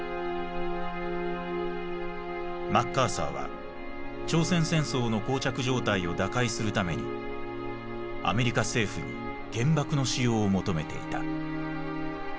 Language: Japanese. マッカーサーは朝鮮戦争の膠着状態を打開するためにアメリカ政府に原爆の使用を求めていた。